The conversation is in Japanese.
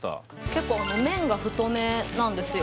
結構麺が太めなんですよ